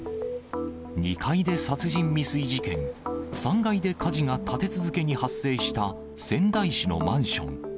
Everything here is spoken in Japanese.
２階で殺人未遂事件、３階で火事が立て続けに発生した仙台市のマンション。